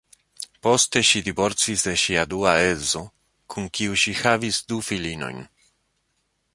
Poste ŝi divorcis de ŝia dua edzo, kun kiu ŝi havis du filinojn.